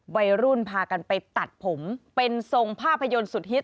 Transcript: พากันไปตัดผมเป็นทรงภาพยนตร์สุดฮิต